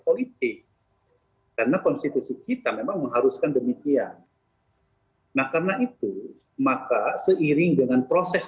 politik karena konstitusi kita memang mengharuskan demikian nah karena itu maka seiring dengan proses